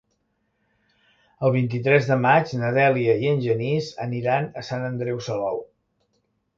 El vint-i-tres de maig na Dèlia i en Genís aniran a Sant Andreu Salou.